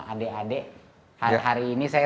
adik adik hari ini saya